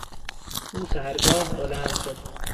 او سحرگاه بلند شد.